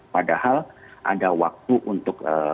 padahal ada waktu untuk